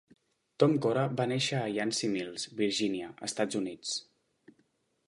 Tom Cora va néixer a Yancey Mills, Virginia, Estats Units.